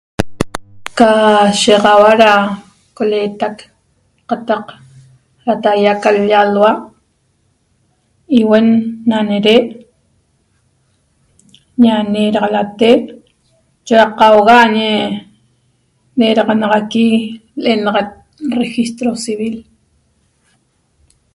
Ca shiýaxaua da coleetac qataq da týa ca l-lla alhua iuen na nede ñanedaxalate chigaqauga añi nedaxanaxaqui l'enaxat registro civil